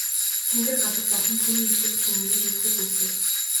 Тэнгэр газар болон түүний түг түмнийг ийнхүү гүйцээв.